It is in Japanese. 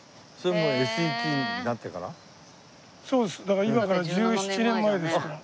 だから今から１７年前ですから。